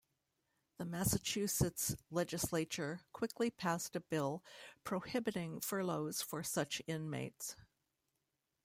The Massachusetts legislature quickly passed a bill prohibiting furloughs for such inmates.